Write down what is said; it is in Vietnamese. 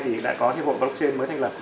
thì đã có thiên hội blockchain mới thành lập